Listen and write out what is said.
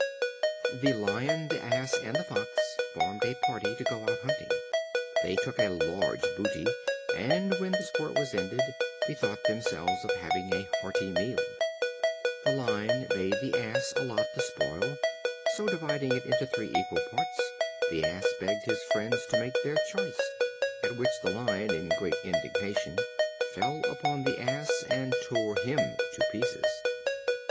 The Lion, the Ass and the Fox formed a party to go out hunting. They took a large booty, and when the sport was ended, bethought themselves of having a hearty meal. The Lion bade the Ass allot the spoil. So, dividing it into three equal parts, the Ass begged his friends to make their choice; at which the Lion, in great indignation, fell upon the Ass and tore him to pieces.